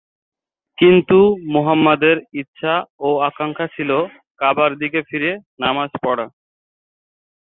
কিন্তু মুহাম্মাদের ইচ্ছা ও আকাঙ্ক্ষা ছিল কাবার দিকে ফিরে নামায পড়া।